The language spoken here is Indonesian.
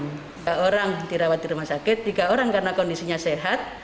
enam orang dirawat di rumah sakit tiga orang karena kondisinya sehat